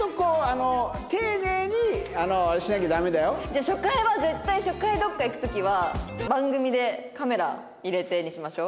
じゃあ初回は絶対初回どこか行く時は番組でカメラ入れてにしましょう。